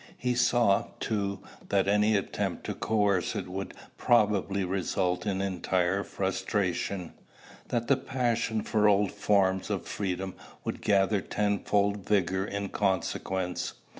He saw, too, that any attempt to coerce it would probably result in entire frustration; that the passion for old forms of freedom would gather tenfold vigor in consequence.